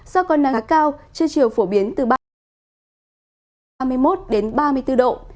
do còn nắng cao chưa chiều phổ biến từ ba mươi một đến ba mươi bốn độ